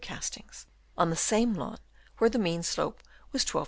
269 castings on the same lawn where the mean slope was 12° 5'.